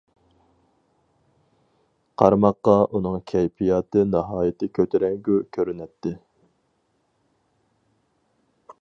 قارىماققا ئۇنىڭ كەيپىياتى ناھايىتى كۆتۈرەڭگۈ كۆرۈنەتتى.